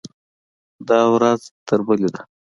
دا ورځ تر بلې ده.